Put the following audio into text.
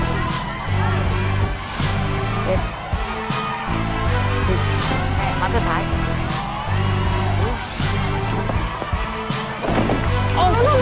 มาก็ถ่าย